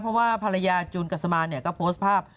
เพราะว่าภรรยาจูนกัสมานเนี่ยก็โพสต์ภาพ